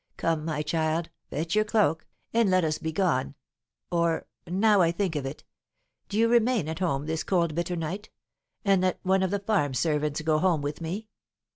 Come, my child, fetch your cloak, and let us be gone; or, now I think of it, do you remain at home this cold bitter night, and let one of the farm servants go home with me."